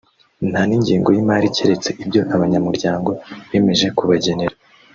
nta n’ingengo y’imari keretse ibyo abanyamuryango bemeje kubagenera